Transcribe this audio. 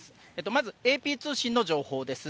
まずＡＰ通信の情報です。